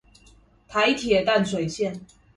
台鐵淡水線